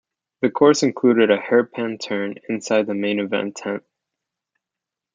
The course included a hairpin turn inside the main event tent.